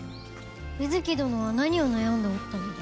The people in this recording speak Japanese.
美月どのは何を悩んでおったのだ？